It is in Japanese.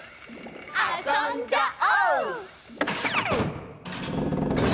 あそんじゃおう！